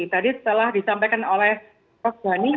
tadi telah disampaikan oleh prof gani